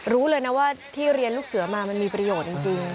รู้เลยนะว่าที่เรียนลูกเสือมามันมีประโยชน์จริง